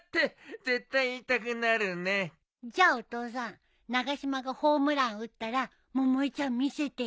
じゃあお父さん長嶋がホームラン打ったら百恵ちゃん見せてよ。